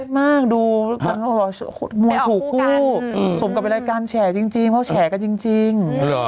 มากดูคุณขอคูโสมกลับการแช่จริงเพราะแช่กันจริง